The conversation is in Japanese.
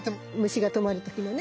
虫が止まる時のね。